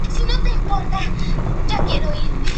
Doce números incluyeron además un cromos en el interior.